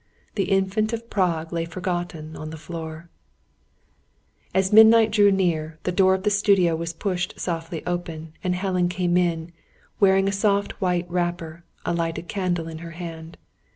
The Infant of Prague lay forgotten on the floor. As midnight drew very near, the door of the studio was pushed softly open, and Helen came in, wearing a soft white wrapper; a lighted candle in her hand.